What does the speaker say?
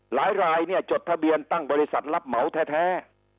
หลายจะจดทะเบียนตั้งบริษัทรัพย์เหมาแท้